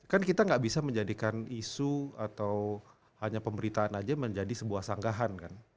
kan kita nggak bisa menjadikan isu atau hanya pemberitaan aja menjadi sebuah sanggahan kan